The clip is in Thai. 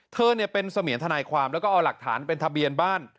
เธอเป็นเสมียนทนายความแล้วก็เอาหลักฐานเป็นทะเบียนบ้าน